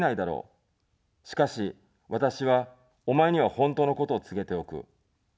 しかし、私は、お前には本当のことを告げておく。